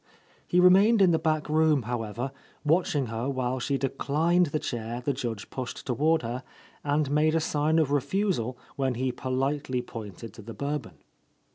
He remained in the back room, however, watch ing her while she declined the chair the Judge pushed toward her and made a sign of refusal when he politely pointed to the Bourbon.